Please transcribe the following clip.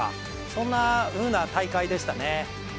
そんなふうな大会でしたね。